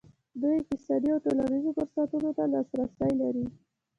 دوی اقتصادي او ټولنیزو فرصتونو ته لاسرسی لري.